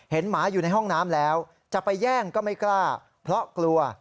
หมาอยู่ในห้องน้ำแล้วจะไปแย่งก็ไม่กล้าเพราะกลัว